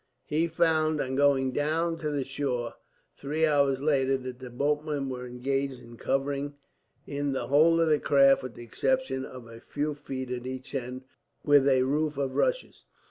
He found, on going down to the shore three hours later, that the boatmen were engaged in covering in the whole of the craft, with the exception of a few feet at each end, with a roof of rushes.